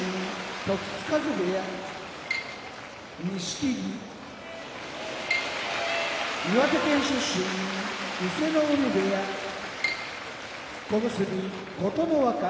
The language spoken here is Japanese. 時津風部屋錦木岩手県出身伊勢ノ海部屋小結・琴ノ若千葉県出身